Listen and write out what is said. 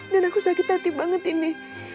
dan aku sakit hati banget ini